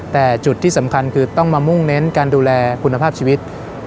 แต่จุดที่สำคัญคือต้องมามุ่งเน้นการดูแลคุณภาพชีวิต